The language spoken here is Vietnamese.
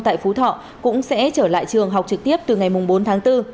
tại phú thọ cũng sẽ trở lại trường học trực tiếp từ ngày bốn tháng bốn